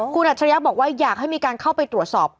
คุณอัจฉริยะบอกว่าอยากให้มีการเข้าไปตรวจสอบ